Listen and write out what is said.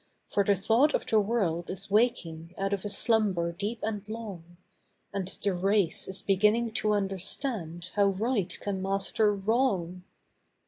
For the thought of the world is waking out of a slumber deep and long, And the race is beginning to understand how Right can master Wrong.